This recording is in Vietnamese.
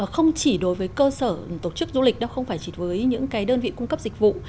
không chỉ đối với cơ sở tổ chức du lịch đó không phải chỉ với những đơn vị cung cấp dịch vụ